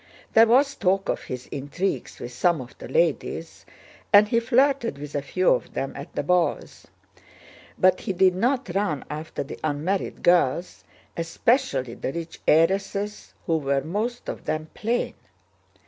There was talk of his intrigues with some of the ladies, and he flirted with a few of them at the balls. But he did not run after the unmarried girls, especially the rich heiresses who were most of them plain.